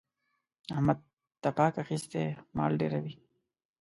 احمد تپاک اخيستی دی؛ مال ډېروي.